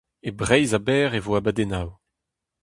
E Breizh a-bezh e vo abadennoù.